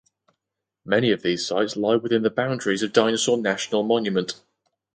Many of these sites lie within the boundaries of Dinosaur National Monument.